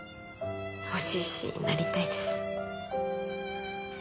欲しいしなりたいです。